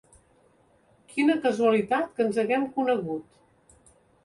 Quina casualitat que ens haguem conegut!